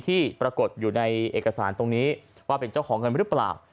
ที่ปรากฏอยู่ในเอกสารตรงนี้ว่าเป็นเจ้าของเงินหรือเปล่า